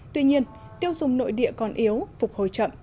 tuy nhiên tiêu dùng nội địa còn yếu phục hồi chậm